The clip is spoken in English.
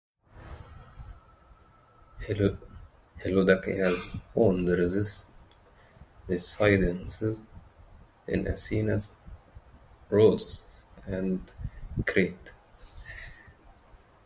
Hiloudaki has owned residences in Athens, Rhodes and Crete.